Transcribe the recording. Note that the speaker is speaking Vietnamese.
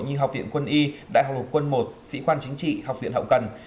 như học viện quân y đại học học quân i sĩ quan chính trị học viện hậu cần